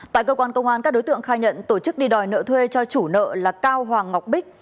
tại cơ quan công an các đối tượng khai nhận tổ chức đi đòi nợ thuê cho chủ nợ là cao hoàng ngọc bích